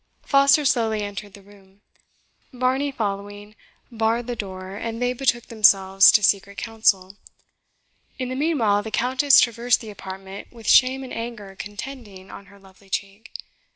Foster slowly entered the room. Varney, following, barred the door, and they betook themselves to secret council. In the meanwhile, the Countess traversed the apartment, with shame and anger contending on her lovely cheek.